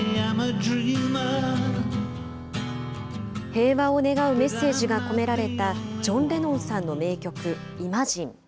平和を願うメッセージが込められたジョン・レノンさんの名曲、イマジン。